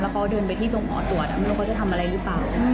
เขาเดินไปที่ตรงหอตรวจไม่รู้เขาจะทำอะไรหรือเปล่า